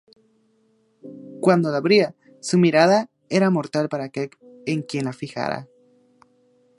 Cuando lo abría, su mirada era mortal para aquel en quien la fijara.